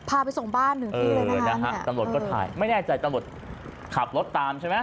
พาไปส่งบ้านหนึ่งเออนะฮะตำรวจก็ถ่ายไม่แน่ใจตำรวจขับรถตามใช่ไหม